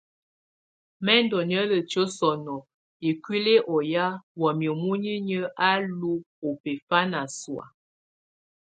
Mɛ̀ ndù niǝ́lǝtiǝ́ sɔ̀nɔ̀ ikuili ɔ ya wamɛ̀á munyinyǝ á lù ɔbɛfana sɔ̀á.